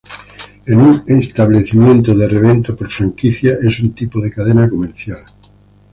En un establecimiento de reventa por franquicia es un tipo de cadena comercial.